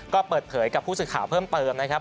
ก็เปิดเผยกับผู้สื่อข่าวเพิ่มเติมนะครับ